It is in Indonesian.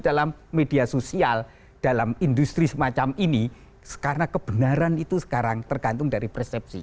dalam media sosial dalam industri semacam ini karena kebenaran itu sekarang tergantung dari persepsi